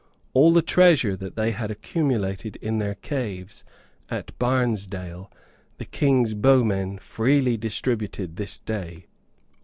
All the treasure that they had accumulated in their caves at Barnesdale the King's bowmen freely distributed this day.